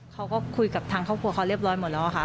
เขาก็คุยกับทางครอบครัวเขาเรียบร้อยหมดแล้วค่ะ